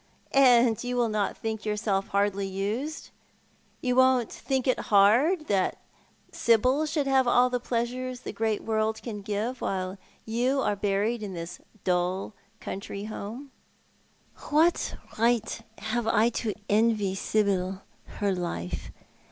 " And you will not think yourself hardly used — you won't think it hard that Sibyl should have all the pleasures the great world can give while you are buried in this dull country home ?" Urqti/iari considers himself Ill used. 8i "What right have I to envy Sibyl her life?